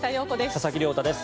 佐々木亮太です。